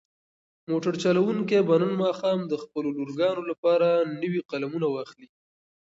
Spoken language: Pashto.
موټر چلونکی به نن ماښام د خپلو لورګانو لپاره نوې قلمونه واخلي.